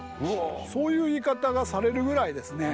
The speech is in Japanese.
そういう言い方がされるぐらいですね